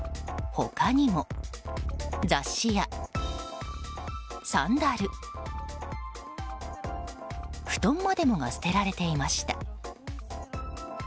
他にも、雑誌やサンダル布団までもが捨てられていました。